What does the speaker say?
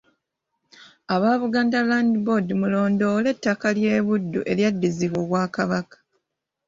Aba Buganda Land Board mulondoole ettaka ly'e Buddu eryaddizibwa Obwakabaka.